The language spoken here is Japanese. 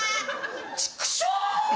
チクショー！！